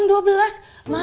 mak minah belum masak